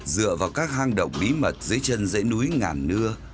dựa vào các hang động bí mật dưới chân dãy núi ngàn nưa